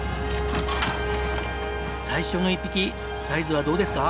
最初の１匹サイズはどうですか？